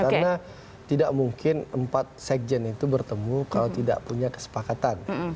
karena tidak mungkin empat sekjen itu bertemu kalau tidak punya kesepakatan